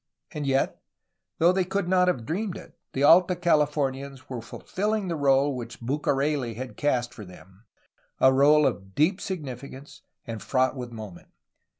And yet, though they could not have dreamed it, the Alta Californians were filling the role which Bucareli had cast for them, — a role of deep significance and fraught with moment.